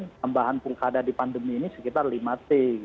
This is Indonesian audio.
tambahan pilkada di pandemi ini sekitar lima t